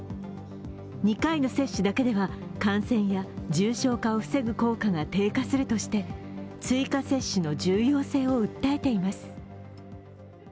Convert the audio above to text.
２回の接種だけでは感染や重症化を防ぐ効果が低下するとして追加接種の重要性を訴えています。